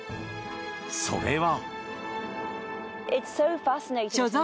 それは。